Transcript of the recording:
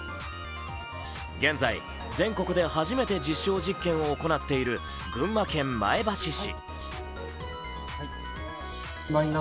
現在、全国で初めて実証実験を行っている群馬県前橋市。